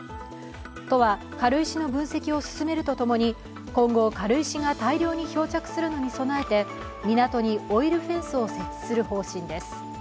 都は軽石の分析を進めるとともに今後、軽石が大量に漂着するのに備えて港にオイルフェンスを設置する方針です。